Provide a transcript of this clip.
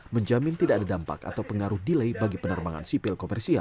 menjamin tidak ada dampak atau pengaruh delay bagi penerbangan sipil komersial